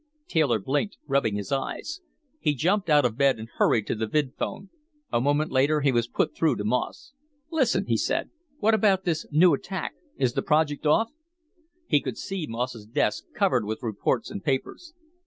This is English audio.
Taylor blinked, rubbing his eyes. He jumped out of bed and hurried to the vidphone. A moment later he was put through to Moss. "Listen," he said. "What about this new attack? Is the project off?" He could see Moss's desk, covered with reports and papers.